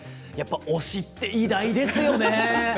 推しって偉大ですよね。